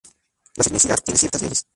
La sismicidad tiene ciertas leyes.